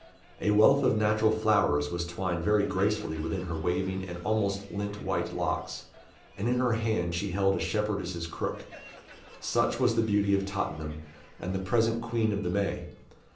A wreath of natural flowers was twined very gracefully within her waving and almost lint white locks, and in her hand she held a shepherdess's crook. Such was the Beauty of Tottenham, and the present Queen of the May.